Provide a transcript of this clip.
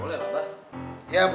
boleh lah abah